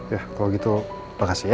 ya kalau gitu makasih ya